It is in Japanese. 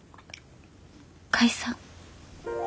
解散。